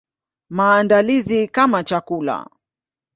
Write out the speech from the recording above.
Maandalizi kama chakula.